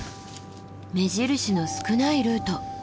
目印の少ないルート。